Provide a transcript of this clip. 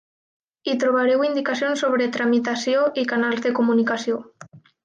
Hi trobareu indicacions sobre tramitació i canals de comunicació.